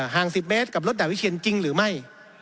ง๑๐เมตรกับรถดาบวิเชียนจริงหรือไม่